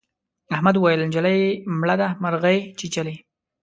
احمد وويل: نجلۍ مړه ده مرغۍ چیچلې.